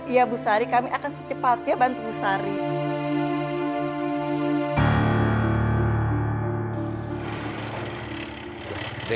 iya bu sari kami akan secepatnya bantu bu sari